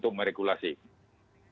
terima kasih pak alex